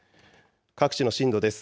各地の震度です。